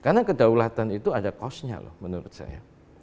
karena kedaulatan itu ada costnya loh menurut saya